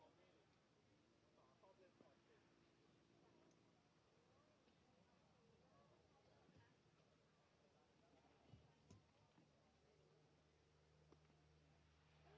สวัสดีครับ